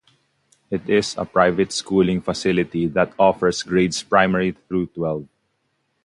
It is a private schooling facility that offers grades primary though twelve.